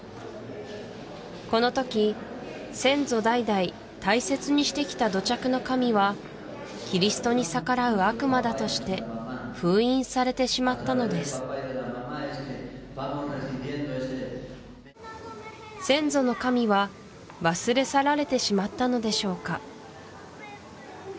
このとき先祖代々大切にしてきた土着の神はキリストに逆らう悪魔だとして封印されてしまったのです先祖の神は忘れ去られてしまったのでしょうか？